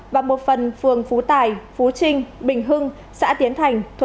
và một phần phường phú tài phú trinh bình hưng xã tiến thành